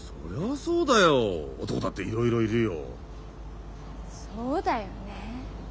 そうだよね。